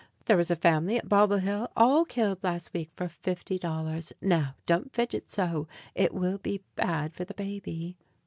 There was a family at Bobble Hill all killed last week for fifty dollars. Now, don't fidget so; it will be bad for the baby.